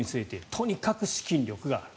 とにかく資金力がある。